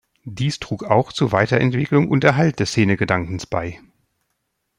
Dies trug auch zu Weiterentwicklung und Erhalt des Szene-Gedankens bei.